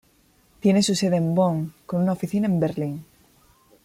Tiene su sede en Bonn, con una oficina en Berlín.